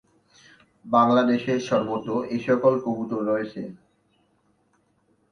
বাংলাদেশের সর্বত্র এসকল কবুতর রয়েছে।